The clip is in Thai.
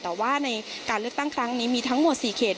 แต่ว่าในการเลือกตั้งครั้งนี้มีทั้งหมด๔เขต